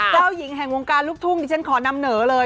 เจ้าหญิงแห่งวงการลูกทุ่งดิฉันขอนำเหนอเลย